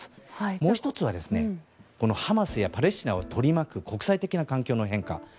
もう１つはハマスやパレスチナを取り巻く国際的な環境の変化。